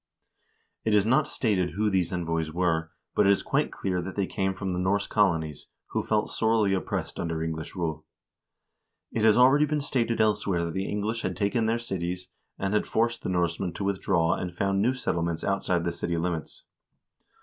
It is not stated who these envoys were, but it is quite clear that they came from the Norse colonies, who felt sorely oppressed under English rule. It has already been stated elsewhere that the English had taken their cities, and had forced the Norsemen to withdraw and found new settlements outside the city limits.